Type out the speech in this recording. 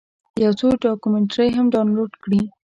یو څو ډاکمنټرۍ هم ډاونلوډ کړې.